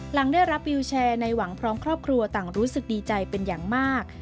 หลังได้รับวิวแชร์ในหวังพร้อมครอบครัวต่างรู้สึกดีใจเป็นอย่างมาก